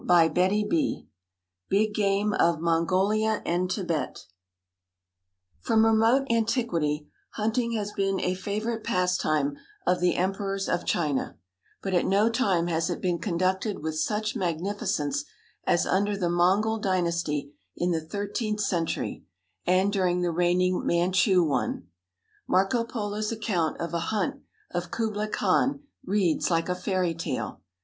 ] Big Game of Mongolia and Tibet From remote antiquity hunting has been a favorite pastime of the emperors of China, but at no time has it been conducted with such magnificence as under the Mongol dynasty in the thirteenth century and during the reigning Manchu one. Marco Polo's account of a hunt of Kublai Khan reads like a fairy tale.